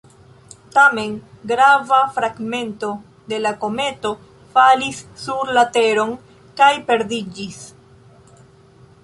Tamen grava fragmento de la kometo falis sur la Teron kaj perdiĝis.